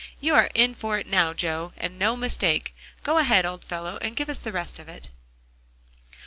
"You are in for it now, Joe, and no mistake. Go ahead, old fellow, and give us the rest of it."